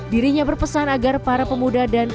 dirinya berpesan agar para pemuda yang mencintai mereka